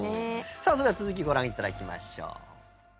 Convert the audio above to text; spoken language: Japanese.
さあ、それでは続き、ご覧いただきましょう。